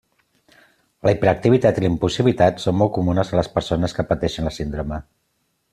La hiperactivitat i la impulsivitat són molt comunes en les persones que pateixen la síndrome.